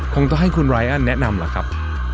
คงต้องให้คุณไรอันแนะนำแหละครับ